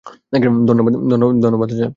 ধন্যবাদ, চাচা।